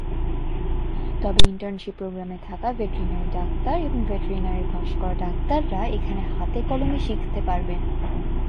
তবে ইন্টার্নশিপ প্রোগ্রামে থাকা ভেটেরিনারি ডাক্তার এবং ভেটেরিনারি পাশ করা ডাক্তাররা এখানে হাতে কলমে শিখতে পারবেন।